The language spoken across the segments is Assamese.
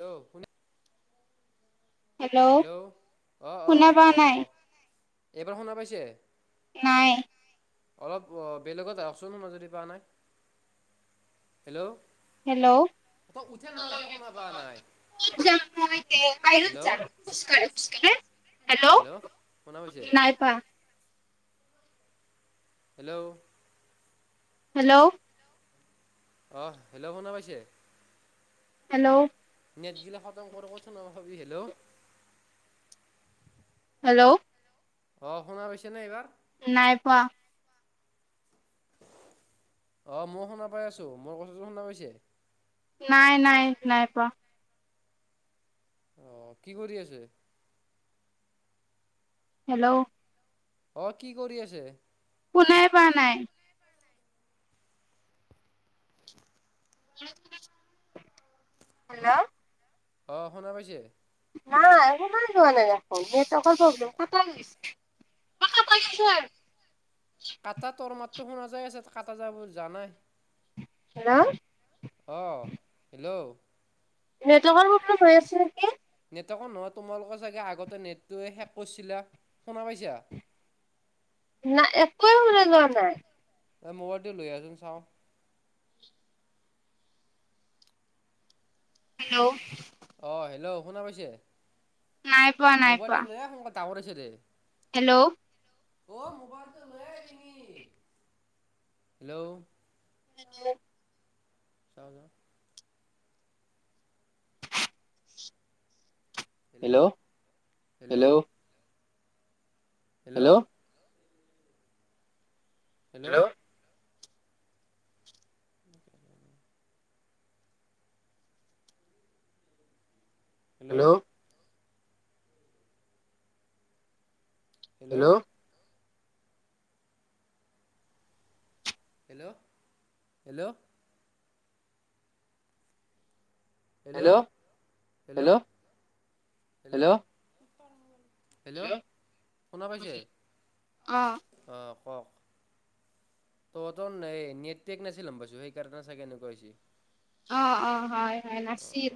হেল্ল'। শুনি হেল্ল'। অ', শুনা অ' পোৱা কওক নাই কওক। এইবাৰ শুনা পাইছে? নাই। অলপ বেলেগত আহচোন যদি পোৱা নাই। হেল্ল'। হেল্ল'। তই উঠে নাহ কিয় শুনা পাৱা না হেল্ল' [unintelligible] হেল্ল'। শুনা পাইছে? নাই পোৱা হেল্ল'। হেল্ল'। অ', হেল্ল' শুনা পাইছে? হেল্ল'। নেটগিলা খতম কৰ [unintelligible] হেল্ল'। হেল্ল'। অ', শুনা পাইছেনে এইবাৰ? নাই পোৱা। অ', মই শুনা পাই আছোঁ। মোৰ কথাটো শুনা পাইছে? নাই নাই, নাই পোৱা। অ', কি কৰি আছে? হেল্ল'। অ', কি কৰি আছে? শুনাই পোৱা নাই। হেল্ল'। অ', শুনা পাইছে? নাই, একো শুনাই পোৱা নাই দেখোন, নেটৱৰ্কৰ প্ৰব্লেম, কাটাই গৈছে। [unintelligible] কাটা তৰ মাতটো, শুনা যায় আছে, কাঁটা যাবোৰ জানাই। হেল্ল'। অ', হেল্ল'। নেটৱৰ্কৰ প্ৰব্লেম হৈ আছে নেকি। নেটৱৰ্কৰ নহয় তোমালোকৰ চাগে আগতে নেটটোৱে শেষ কৰিছিলা। শুনা পাইছা? [inaudible] নাই, একোৱে শুনা পোৱা নাই। এ, মোবাইলটো লৈ আহচোন চাওঁ। হেল্ল'। অ', হেল্ল' শুনা পাইছে? নাই পোৱা নাই পোৱা মোবাইলটো লৈ আহ সোনকালে, টাওৱাৰ আছে দে। হেল্ল'। অ', মোবাইলটো লৈ আহ এইপিনে। হেল্ল'। চাও-চাওঁ। Hello, hello. Hello. Hello. [inaudible] Hello. Hello. Hello, hello. Hello, hello, hello. Hello, শুনা পাইছে? অ অঁ', কওক। তহঁতৰ এই, নেটপেক নাছিল গ'ম পাইছো, সেইকাৰণে চাগে এনেকুৱা হৈছে। অঁ' অঁ', হয়-হয়, নাছিল।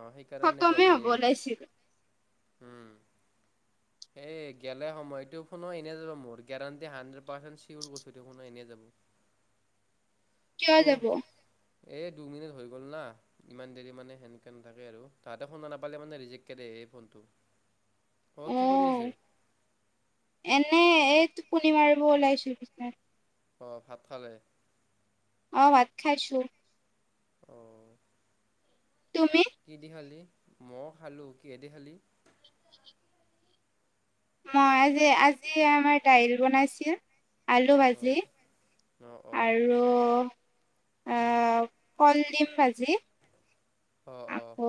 অ', সেইকাৰণে এনেকুৱা খতমে হ'ব ওলাইছিল হৈছে। উম। এই, গেলা সময়টো ফোনো এনেই যাব মোৰ, গেৰাণ্টি, হাণ্ড্ৰেড পাৰ্চেণ্ট চিঅৰ কৈছো টো এনেই যাব। কিয় যাব অ', এই দুমিনিট হৈ গ'ল না। ইমান দেৰি মানে, সেনকৈ নাথাকে আৰু, তাহাঁতে শোনা নাপালে মানে, ৰিজেক্টক আহে ফোনটো। অঁ', কি কৰি আছে?। এনেই, এই টোপনি মাৰিব ওলাইছিলোঁ, বিচনাত। অঁ', ভাত খালে। অ', ভাত খাইছো। অ। তুমি?। কি দি খালি? মই খালোঁ। কিহে দি খালি?। মই আজি আজি আমাৰ দাইল বনাইছিল। আলু অ ভাজি অ অ আৰু উম। কলডিল ভাজি। অ', অ'। আকৌ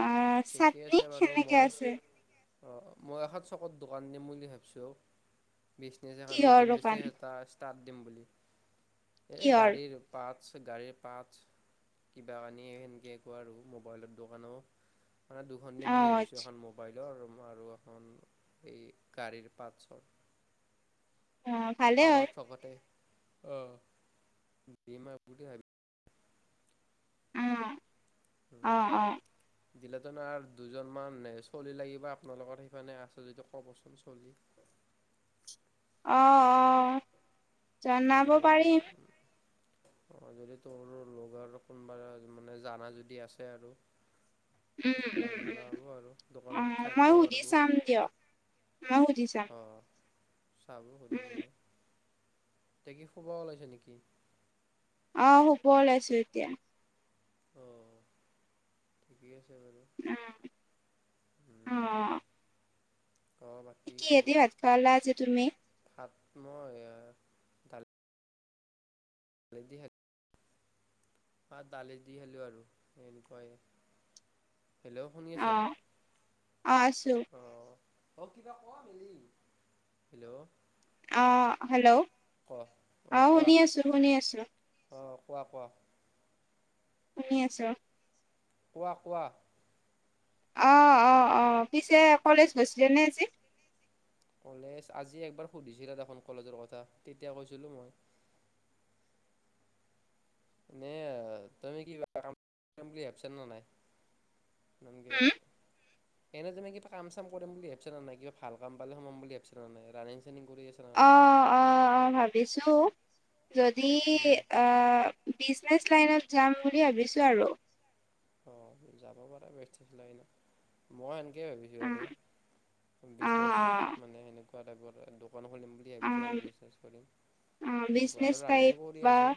আহ ঠিকেই চাটনি আছে বাৰু সেনেকে মই আছে মই এখন চকত দোকান দিম বুলি ভাবিছোঁ। বিজনেছ এখন কিহৰ নতুন দোকান বিজনেছ এটা ষ্টাৰ্ট দিম বুলি এই কিহৰ গাড়ীৰ। পাৰ্টছ গাড়ীৰ পাৰ্টছ কিবা কানি সেনেকৈ একো আৰু মোবাইলৰ দোকানো। মানে দুখন দিম অ বুলি ভাবিছোঁ আচ্ছা এখন মোবাইলৰ আৰু এখন এই গাড়ীৰ পাৰ্টছৰ। অ'। ভালে হয় আমাৰ চকতে অ' দিম আৰু বুলি ভাবি অ'। অ উম। অ অ দিলেতন আৰু দুজনমান চলি লাগিব আপোনালোকৰ সেইপিনে আছে যদি ক'বচোন চলি অ', অ', জনাব পাৰিম। অ', যদি তোৰ লগৰ কোনোবা মানে জানা যদি আছে আৰু। উম তেতিয়া উম আহিব উম আৰু অ দোকানত মই থাকিব সুধি পাৰিব। চাম দিয়ক মই সুধি চাম। অ', চাব সুধি উম পিনে এতিয়া কি শোবা ওলাইছে নেকি! অঁ, শুব ওলাইছো এতিয়া। অঁ। ঠিকেই আছে বাৰু। অ অ উম, ক'ৰবাত কিহে দি ভাত খালা আজি তুমি? সাতম' এইয়া। বেজি হাত ভাত, দালি দি খালোঁ আৰু। সেনেকুৱাই। হেল্ল! শুনি অ আছে? অ আছো অঁ অঁ, কিবা কোৱা মিলি। হেল্ল! অঁ, হেল্ল'! ক অঁ, শুনি আছোঁ, শুনি আছোঁ। অঁ, কোৱা, কোৱা। শুনি আছ'? কোৱা, কোৱা। অ', অ' অ'। পিছে কলেজ গৈছিলেনে আজি? কলেজ, আজি একবাৰ সুধিছিলা দেখোন কলেজৰ কথা, তেতিয়া কৈছিলো মই। নে, তুমি কিবা কামবুলি ভাৱিছা না নাই? [inaudible] উম এনে ধৰণে কি কাম- চাম কৰিম বুলি ভাবিছা না নাই? কিবা ভালকাম পালে সোমাম বুলি ভাৱিছা না নাই? ৰানিং -চানিং কৰি আ না, না। অঁ--অঁ', ভাৱিছোঁ। যদি উম আ বিজনেছ লাইনত যাম বুলি ভাবিছোঁ। আৰু অঁ, যাব পাৰা বিজনেছ লাইনত। মই সেনকেই বিজি হৈ অ আছোঁ। অ বিজনেছ, মানে সেনেকুৱা টাইপৰ দোকান খুলিম বুলি অ ভাবিছোঁ অ আৰু বিজনেছ কৰিম। অ তেনেকুৱা বিজনেচ আৰু ৰাণিং টাইপ কৰি বা আছোঁ।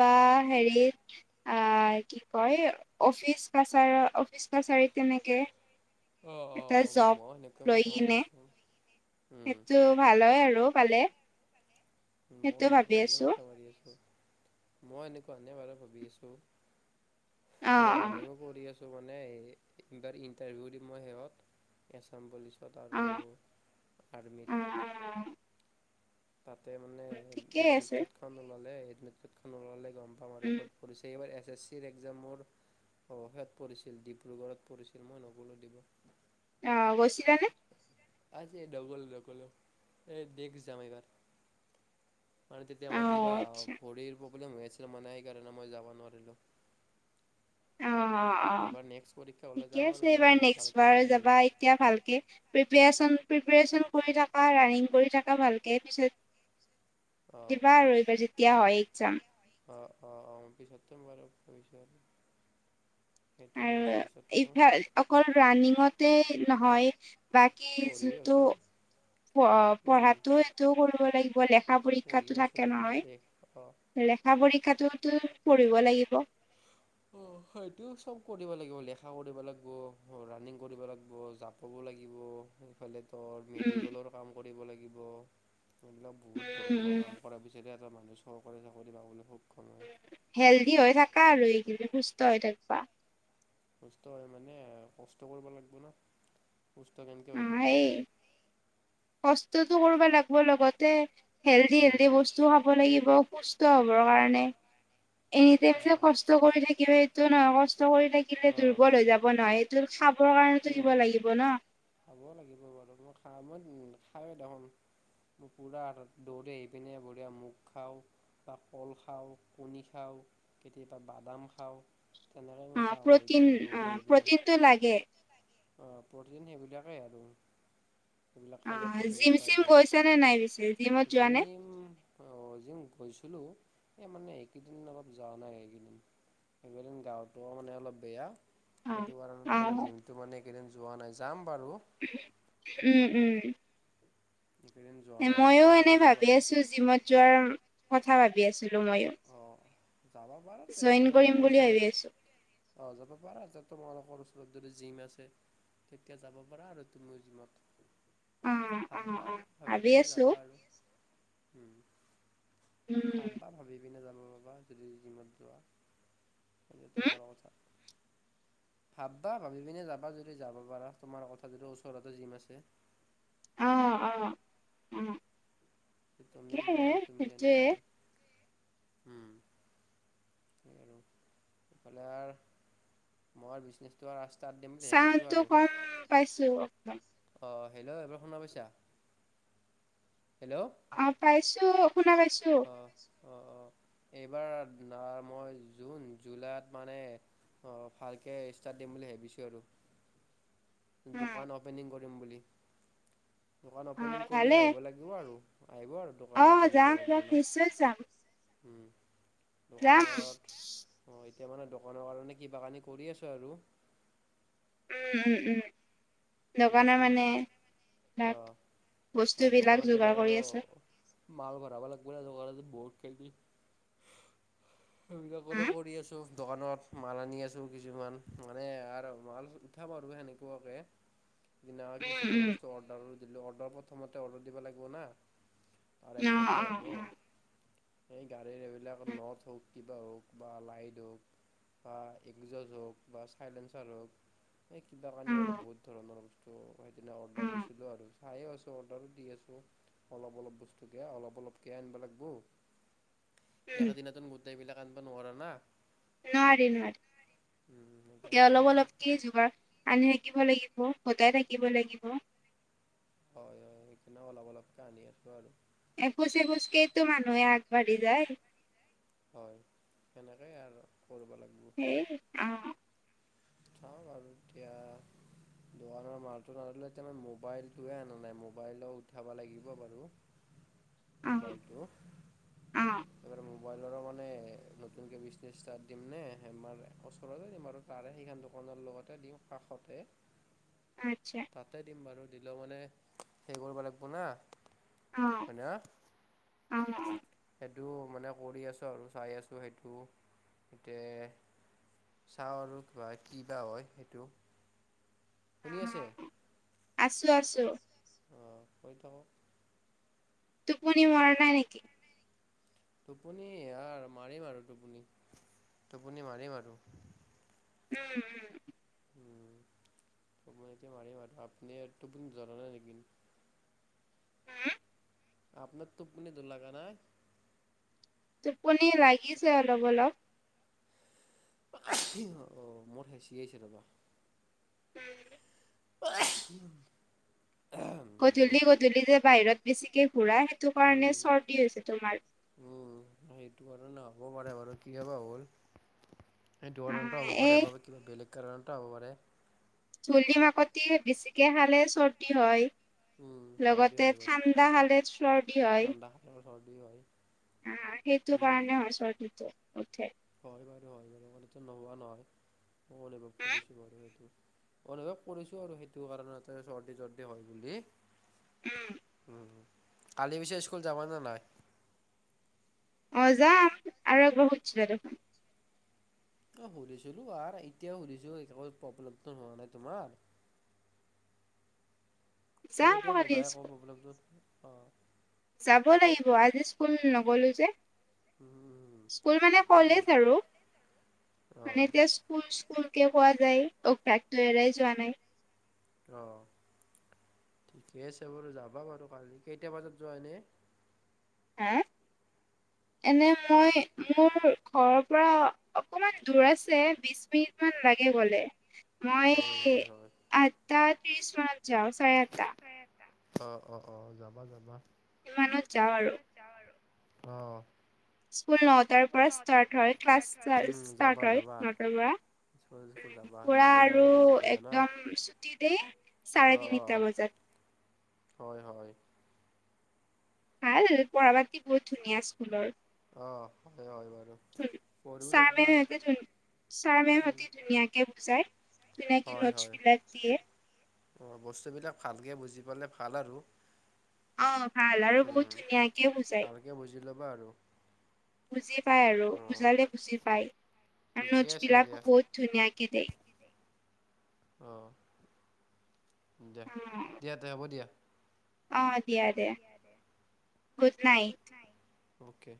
বা অ হেৰিত আঁ, কি কয়? অফিচ কাছাৰ অফিচ কাছাৰীত কেনেকে অ এটা অ জব মই সেনেকুৱাই লৈ মাথা মাৰি কিনে আছোঁ উম, সেইটো ভাল হয় আৰু পালে। মই সেইটো ভাবি সেনেকা বুলিয়ে আছো মাথা মাৰি আছোঁ। মই এনেকুৱা এনে বাৰে ভাবি আছো। অ মই ৰানিংও কৰি আছো। মানে এইবাৰ ইণ্টাৰ ইণ্টাৰভিউ দিম মই শেষত এছাম পুলিচ। অ অ বটাদৌ আৰ্মী। অ তাতে মানে, অ ঠিকেই এডমিট আছে কাৰ্ডখন ওলালে, এডমিট কাৰ্ডখন ওলালে গম পাম আৰু উম ক'ত সুধিছে, এইবাৰ এছ এছ চিৰ এক্সজামৰ অঁ, সেইয়াত পঢ়িছিল, ডিব্ৰুগড়ত পঢ়িছিল। মই নগলোঁ ডিব্ৰুড়লে। অঁ, গৈছিলানে? আজি ডবল নগলোঁ। এই দেখ, যাম এইবাৰ। মানে তেতিয়া অ মোৰ কিবা আচ্ছা ভৰিৰ প্ৰব্লেম হৈ আছিল। মানে সেইকাৰণে মই যাব নোৱাৰিলোঁ। অ অ অ এইবাৰ নেক্সট পৰীক্ষা হ'লে যাম আৰু যাই কিনে ভালকে দি আহিম। তেতিয়া ভালকে প্ৰিপিয়েচন, প্ৰিপিয়েচন কৰি থকা, ৰানিং কৰি থকা ভালকে। পিছত [inaudible] দিবা আৰু এইবাৰ, যেতিয়া হয় এক্সাম। অঁ, অঁ, অঁ পিছতকে মই লগ কৰি চাম। সেইটোৱে। আৰু ভৱিষ্যতে, পিছত কম। ইফাল অকল ৰানিঙতেই নহয়। বাকী পঢ়িও যোনটো আছোঁ প উম পঢ়াটো সেইটোও কৰিব লাগিব লেখা পঢ়িও পৰীক্ষাতো আছোঁ থাকে বাৰু দেই অ নহয়। লেখা পৰীক্ষাটোতো পঢ়িব লাগিব। অ সেইটো চব কৰিব লাগিব লেখা কৰিব লাগিব ৰানিং কৰিব লাগিব জাপ। ক'ব লাগিব এইফালে ধৰ উম মেডিকেলৰ কাম কৰিব লাগিব এইবিলাক বহুত উম ধৰণৰ কাম। উম কৰাৰ পিছতহে এটা মানুহ চৰকাৰী চাকৰি পাবলৈ সক্ষম হয়। হেল্ডি হৈ থাকা আৰু এইকেইদিন সুস্থ হৈ থাকিবা। সুস্থ হৈ মানে কষ্ট কৰিব লাগিব না সুস্থ কেনেকৈ হৈ থাকিবা। কষ্টতটো কৰিব লাগব লগতে হেল্ডি উম হেল্ডি বস্তু খাব খাব লাগিব সুস্থ হ'ব কাৰণে এনিটাইম অ যে ক কষ্ট কৰি থাকিলে এইটো নহয় কষ্ট কৰি থাকিলে অ দুৰ্বল হৈ যাব নহয়। খাবৰ সেইটো কাৰণতো দিব হয় লাগিব ন। খাব লাগিব বাৰু মই খা মই খাওঁ দেখোন। পুৰা দৌৰি আহি পিনে বঢ়িয়া মোগ খাওঁ। বা কল খাওঁ কণী খাওঁ কেতিয়াবা বাদাম খাওঁ। তেনেকে অ', খাওঁ আহি পিনে দৌৰি অ', আহি পিনে। প্ৰটিনটো প্ৰটিন লাগে। অ প্ৰটিন সেইবিলাকেই আৰু সেইবিলাক খালেই অ', প্ৰটিনটো জিম পাই চিম গৈছা নে নাই পিছে জিমত যায় যোৱা নে? জিম অ জিম গৈছিলোঁ এই মানে এইকেইদিন অলপ যোৱা নাই এইকেইদিন এইকেইদিন গাটো মানে অলপ বেয়া। অ', সেইটো কাৰণত মানে জিমটো মানে এইকেইদিন যোৱা নাই যাম বাৰু। উম উম এইকেইদিন য ময়ো এনেই ভাবি আছোঁ জিমত যোৱাৰ কথা ভাবি আছিলোঁ ময়ো। অ যাব পৰাটো জইন কৰিম তোমালোকৰ বুলি ভাবি ওচৰত। আছো। অ যাব পাৰা তাত তোমালোকৰ ওচৰত যদি জিম আছে। তেতিয়া যাব পাৰা আৰু তুমিও জিমত। অ', অ', ভাবা অ', ভাবি পিনে আছো যাবা আৰু উম উম, ভাবা ভাবি পিনে যাব পাৰা যদি জিমত যোৱা। হম, তোমাৰ কথা। ভাবা ভাবি পিনে যাবা যদি যাব পাৰা তোমাৰ কথা যদি ওচৰতে জিম আছে। অ অ অ তুমি এ কি কৰা তুমি সেইটোৱে। জানিবা আৰু উম। হলেও ব্ৰইলাৰ মই বিচনেজ তোমাৰ ৰাস্তাত দিম যে ভাবিছোঁ আৰু। পাইছোঁ অকমান অ, হেল্ল এইবাৰ শুনা পাইছা হেল্ল অ। পাইছো শুনা পাইছো অ অ, এইবাৰ না মই জুন জুলাইত মানে অ, ভালকে ষ্টাৰ্ট দিম বুলি ভাবিছোঁ আৰু। উম, দোকান অপেনিং কৰিম বুলি। দোকান অপেনিং অ', কৰিলে ভালে। আহিব লাগ লাগিব আৰু আহিব আৰু, দোকান অ', অপেনিং যাম কৰাৰ যাম দিনা। নিশ্চয় যাম উম যাম দোকানত অ এতিয়া মানে দোকানৰ কাৰণে কিবা কানি কৰি আছোঁ আৰু। ওম- ওম- ওম। দোকানৰ বিজনেছ মানে, অ বিলাক আৰু বস্তু বিলাক দোকানত এবাৰ যোগাৰ আৰু কৰি আছে। মাল ভৰাব লাগিব [unintelligible] বহত খেলবি। হা সেইবিলাকৰো কৰি আছোঁ। দোকানত মাল আনি কিছুমান মানে আৰু মাল উঠাম আৰু সেনেকুৱাকে। সেইদিনা কিছুমান উম বস্তু অৰ্ডাৰো দিলোঁ অৰ্ডাৰ প্ৰথমতে অৰ্ডাৰ দিব লাগিব ন। আৰু উম তাৰে অ', পিছতে হ'ব। অ', সেই গাড়ীৰ এইবিলাক অ', নট হওক, কিবা হওক বা লাইট হওক। বা এগজছ হওক, বা চাইলেঞ্চাৰ হওক। এই কিবা কানি আৰু অ', বহুত ধৰণৰ বস্তু সেইদিনা অ', অৰ্ডাৰ উম দিছিলো আৰু। চাইও আছো অৰ্ডাৰো দি আছো। অলপ-অলপ বস্তুকে অলপ অলপ কে আনিব লাগিব। একেদিনতোন গোটেইবিলাক আনিব নোৱাৰা না। উম নোৱাৰি-নোৱাৰি সেইকাৰণে আৰু অলপ-অলপ কে হয় যোগাৰ, আনি থাকিব লাগিব, গোটাই থাকিব লাগিব। হয় হয়, সেই কাৰণে অলপ-অলপকে আনি আছোঁ আৰু। এখোজ-এখোজ কেইটো মানুহে আগবাঢ়ি যায়। হয়, সেনেকেই আৰু কৰিব লাগিব। সেই, অ। চাও আৰু এতিয়া। দোকানৰ মালটোয়ে আনিলো, এতিয়া মই মবাইলটোৱে অনা নাই। মবাইলো উঠাব লাগিব বাৰু। মোবাইলটো। ওম। এইবাৰ মোবাইলৰো মানে নতুনকে বিজনেছ ষ্টাৰ্ট দিম নে, আমাৰ ওচৰতে দিম আৰু। তাৰে সেইখন দোকানৰ লগতে দিওঁ কাষতে। আচ্ছা। তাতে দিম বাৰু, দিলেও মানে হেৰি কৰিব লাগিব না, অ', হয় না। অ, অ। সেইটো মানে কৰি আছোঁ আৰু চাই আছোঁ, সেইটো সেইটোৱে। চাও আৰু, কিবা কি বা হয় সেইটো। শুনি আছে? আছোঁ, আছোঁ। অ, কৈ থাকক। টোপনি মৰা নাই নেকি? টোপনি আৰু মাৰিম আৰু টোপনি টোপনি মাৰিম আৰু। ওম ওম। ওম, মই এতিয়া মাৰিম আৰু আপুনি টোপনি ধৰা নাই নেকি? হু? আপোনাক টোপুনি ধ লাগা নাই? টোপনি লাগিছে অলপ অলপ। অঁ মোৰ সাঁচি আহিছে ৰ'বা। ওম। [unintelligible] হেল্ল' গধূলি গধূলি যে বাহিৰত বেছিকে ঘূৰা সেইটো কাৰণে উম চৰ্দি হৈছে তোমাৰ। উম সেইটো কাৰণে নহ'ব পাৰে বাৰু, কিয় বা হ'ল? সেইটো কাৰণতো অ' হ'ব পাৰে এই বা বেলেগ কাৰণতো হ'ব পাৰে। ধূলি মাকতি বেছিকে খালে চৰ্দি হয়। উম চৰ্দি লগতে হয় বাৰু ঠাণ্ডা হলে চৰ্দি হয়। ঠাণ্ডা চৰ্দি হয়। উম' সেইটো উম কাৰণে হয়, চৰ্দিটো উঠে। হয় বাৰু হয় বাৰু কথাটো নোহোৱা নহয়, মই অনুভৱ উম, কৰিছোঁ বাৰু সেইটো। অনুভৱ কৰিছো আৰু সেইটো কাৰণতে চৰ্দি জৰ্দি হয় বুলি। উম। উম' কালি পিছে স্কুল যাবা নে নাই? অঁ যাম আৰু একবাৰ শুধছি বাৰু। অ' শুধিছিলোঁ আৰ, এতিয়াও শুধিছো একো প্ৰব্লেম হোৱা নাই তোমাৰ? যাম তহঁতি কালি শুধা একো স্কুল। প্ৰব্লেমটোত অ'। যাব লাগিব আজি স্কুল নগ'লোঁ যে। উম, স্কুল মানে কলেজ এক- আৰু, মানে অ', এতিয়া স্কুল স্কুল কে পোৱা যায় অভ্যাসতো এৰাই যোৱা নাই। অঁ ঠিকে আছে বাৰু যাবা বাৰু, কেইটা বজাত যোৱা এনে? হা? [inaudible] এনে মই মোৰ ঘৰৰ পৰা অকণমান দূৰ আছে, বিছ মিনিটমান লাগে গ'লে। হয়, মই হয়, হয়। আঠটা ত্ৰিশ মানত যাওঁ চাৰে আঠটা। অ' অ' অ' যাবা যাবা। ইমানত যাওঁ আৰু। মানত যাওঁ আৰু অ'। স্কুল নটাৰ স্কুল পৰা নটাৰ ষ্টাৰ্ট পৰা হয়, ষ্টাৰ্ট হয়। ক্লাছ উম, ষ্টাৰ্ট যাবা হয় যাবা নটাৰ পৰা। স্কুল চিস্কুল উম, যাবা পুৰা নগ'লে আৰু বহুত বেয়া না। একদম ছুটি দেই। চাৰে অ', অ', তিনিটা বজাত। হয় হয়। ভাল পঢ়া পাতি বহুত ধুনীয়া স্কুলৰ। অ হয় হয় বাৰু, পঢ়িওতে ছাৰ কিবা মেমহঁতে ছাৰ মেম হতি ধুনীয়াকে বুজায়। হয় হয়, অ ' বস্তুবিলাক ভালকে বুজি পালে ভাল আৰু। অঁ ভাল আৰু বহুত ধুনীয়াকে বুজায়। ভালকে বুজি ল'বা আৰু। বুজি পায় আৰু অ', বুজালে বুজি পায়, আৰু ঠিকে নোটছ আছে বিলাকো দিয়া বহুত ধুনীয়াকে দিয়ে। অ' দিয়া অ দিয়া হ'ব দিয়া। অ' দিয়া দে গুদ নাইট। অ'কে।